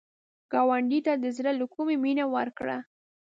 ګاونډي ته د زړه له کومي مینه ورکړه